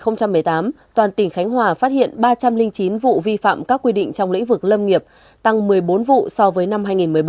năm hai nghìn một mươi tám toàn tỉnh khánh hòa phát hiện ba trăm linh chín vụ vi phạm các quy định trong lĩnh vực lâm nghiệp tăng một mươi bốn vụ so với năm hai nghìn một mươi bảy